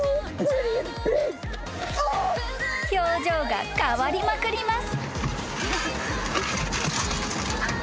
［表情が変わりまくります］